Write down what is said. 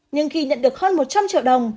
nhưng khi nhận được hơn một trăm linh triệu đồng